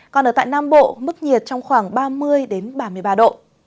còn ở tại nam bộ mức nhiệt trong khoảng ba mươi ba mươi ba độ